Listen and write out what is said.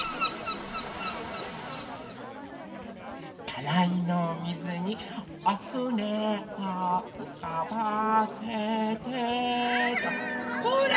たらいのおみずに「おふねをうかばせて」ほら！